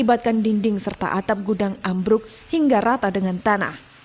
atap gudang amruk hingga rata dengan tanah